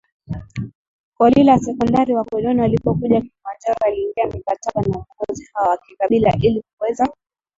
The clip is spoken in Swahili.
kolila sekondari Wakoloni walipokuja Kilimanjaro waliingia mikataba na viongozi hawa wa kikabila ili kuweza